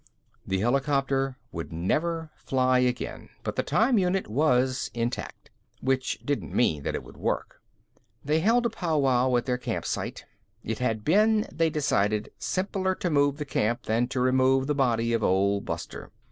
VI The helicopter would never fly again, but the time unit was intact. Which didn't mean that it would work. They held a powwow at their camp site. It had been, they decided, simpler to move the camp than to remove the body of Old Buster.